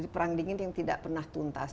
perang dingin yang tidak pernah tuntas